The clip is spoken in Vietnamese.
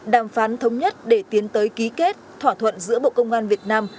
đàm phán thống nhất để tiến tới ký kết thỏa thuận giữa bộ công an việt nam